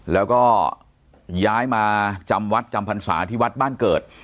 แล้วก็ย้ายมาจำวัดจำพรรษาที่วัดบ้านเกิด